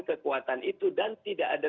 kekuatan itu dan tidak ada